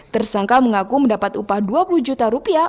tersangka mengaku mendapat upah dua puluh juta rupiah